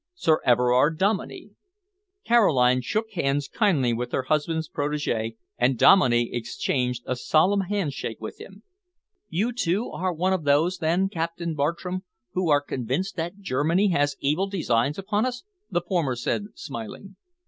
Sir Everard Dominey." Caroline shook hands kindly with her husband's protege, and Dominey exchanged a solemn handshake with him. "You, too, are one of those, then, Captain Bartram, who are convinced that Germany has evil designs upon us?" the former said, smiling.